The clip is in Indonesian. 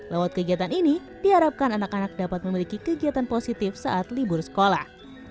lewat kegiatan ini diharapkan anak anak dapat memiliki kegiatan positif saat libur sekolah